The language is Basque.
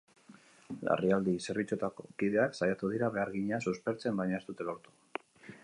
Larrialdi zerbitzuetako kideak saiatu dira behargina suspertzen, baina ez dute lortu.